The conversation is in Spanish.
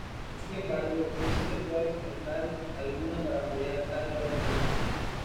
Sin embargo, no existe prueba documental alguna para apoyar tal parentesco.